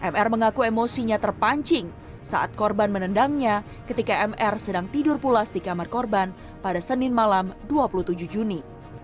mr mengaku emosinya terpancing saat korban menendangnya ketika mr sedang tidur pulas di kamar korban pada senin malam dua puluh tujuh juni